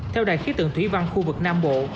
theo đài khí tượng thủy văn khu vực nam bộ